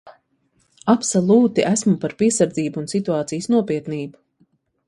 Absolūti esmu par piesardzību un situācijas nopietnību.